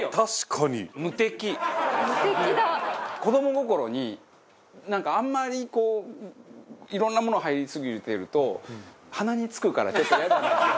心になんか、あんまり、こういろんなもの入りすぎてると鼻につくからちょっとイヤじゃないですか。